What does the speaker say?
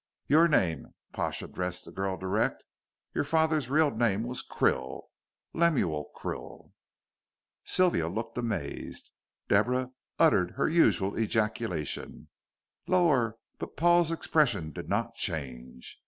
"Your name." Pash addressed the girl direct. "Your father's real name was Krill Lemuel Krill." Sylvia looked amazed, Deborah uttered her usual ejaculation, "Lor'!" but Paul's expression did not change.